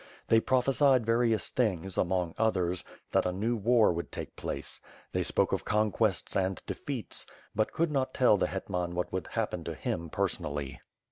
They prophe sied various things, among others, that a new war would take place; they spoke of conquests and defeats — but could not tell the hetman what would happen to him personally.